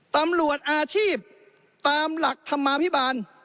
ตำรวจอาชีพตามหลักธรรมาภิบาล